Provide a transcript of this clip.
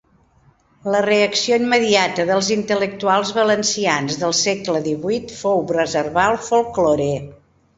La reacció immediata dels intel·lectuals valencians del segle díhuit fou preservar el folklore.